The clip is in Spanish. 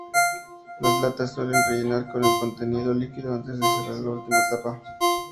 Las latas suelen rellenar con el contenido líquido antes de cerrar la última tapa.